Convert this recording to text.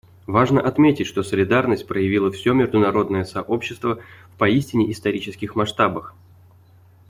Важно отметить, что солидарность проявило все международное сообщество в поистине исторических масштабах.